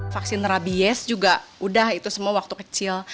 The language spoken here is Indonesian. vaksin rabies juga udah itu semua waktu kecil